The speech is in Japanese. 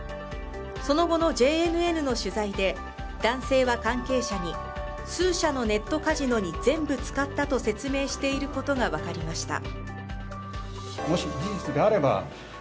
その後のＪＮＮの取材で、男性は関係者に数社のネットカジノに全部使ったと説明していることが分かりました。